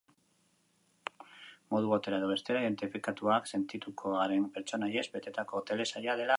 Modu batera edo bestera identifikatuak sentitutko garen pertsonaiez betetako telesaia dela aurreratu digu.